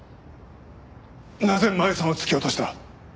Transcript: なぜ舞さんを突き落とした？